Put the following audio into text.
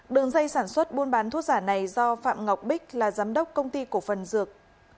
đường dây sản xuất buôn bán thuốc giả này do phạm ngọc bích là giám đốc công ty cổ phần dược